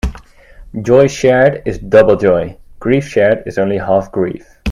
Joy shared is double joy; grief shared is only half grief.